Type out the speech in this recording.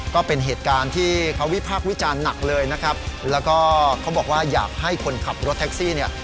ก็เป็นเหตุการณ์ที่เขาวิพากษ์วิจารณ์หนักเลยนะครับแล้วก็เขาบอกว่าอยากให้คนขับรถแท็กซี่เนี่ย